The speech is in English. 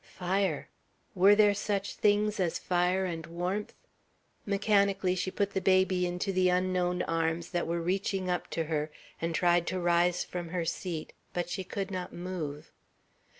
"Fire!" Were there such things as fire and warmth? Mechanically she put the baby into the unknown arms that were reaching up to her, and tried to rise from her seat; but she could not move.